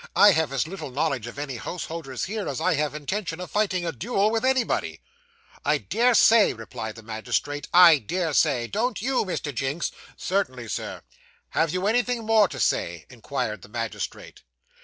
I have as little knowledge of any householders here, as I have intention of fighting a duel with anybody.' 'I dare say,' replied the magistrate, 'I dare say don't you, Mr. Jinks?' 'Certainly, Sir.' 'Have you anything more to say?' inquired the magistrate.